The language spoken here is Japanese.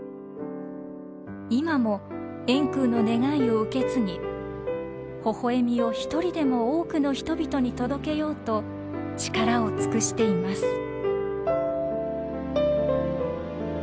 今も円空の願いを受け継ぎほほえみを１人でも多くの人々に届けようと力を尽くしています。